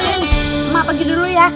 tin ma pagi dulu ya